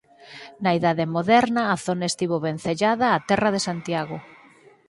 Na Idade Moderna a zona estivo vencellada á Terra de Santiago.